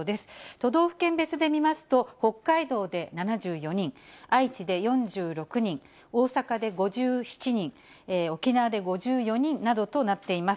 都道府県別で見ますと、北海道で７４人、愛知で４６人、大阪で５７人、沖縄で５４人などとなっています。